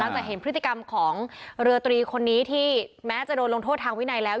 จะเห็นพฤติกรรมของเรือตรีคนนี้ที่แม้จะโดนลงโทษทางวินัยแล้ว